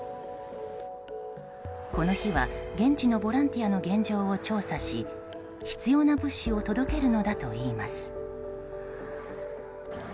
この日は現地のボランティアの現状を調査し必要な物資を届けるのだといいます。